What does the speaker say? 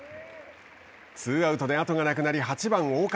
ツーアウトであとがなくなり８番岡。